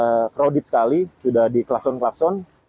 sudah kerodit sekali sudah dikelakson kelakson